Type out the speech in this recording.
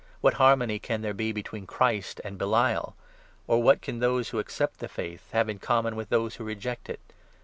What harmony can there be between Christ and Belial ? or 15 what can those who accept the Faith have in common with those who reject it